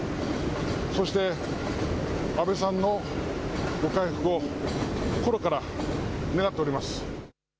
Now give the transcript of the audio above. そして安倍さんのご回復を心から願っております。